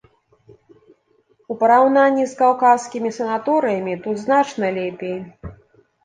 У параўнанні з каўказскімі санаторыямі тут значна лепей.